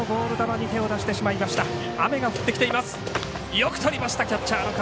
よくとりましたキャッチャーの上。